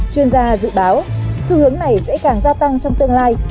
chuyên gia dự báo xu hướng này sẽ càng gia tăng trong tương lai